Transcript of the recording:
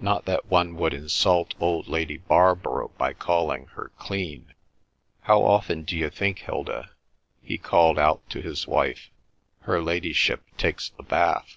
Not that one would insult old Lady Barborough by calling her clean. How often d'you think, Hilda," he called out to his wife, "her ladyship takes a bath?"